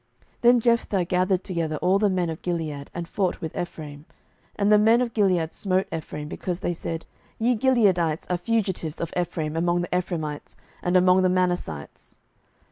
07:012:004 Then Jephthah gathered together all the men of Gilead, and fought with Ephraim: and the men of Gilead smote Ephraim, because they said, Ye Gileadites are fugitives of Ephraim among the Ephraimites, and among the Manassites.